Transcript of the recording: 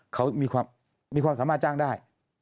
เขามีความสามารถจ้างได้